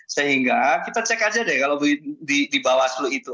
sehingga kita cek aja deh kalau di bawaslu itu